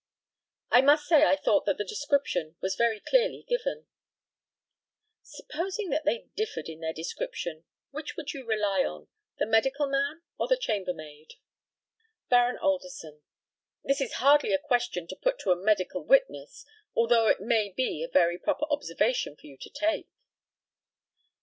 I must say I thought that the description was very clearly given. Supposing that they differed in their description, which would you rely upon the medical man or the chambermaid? Baron ALDERSON: This is hardly a question to put to a medical witness, although it may be a very proper observation for you to make.